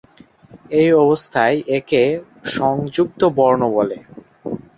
এই অবস্থায় একে সংযুক্ত বর্ণ বলে।